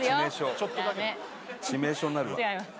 ちょっとだけ致命傷になるわ違います